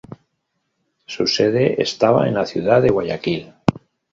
Su sede estaba en la ciudad de Guayaquil.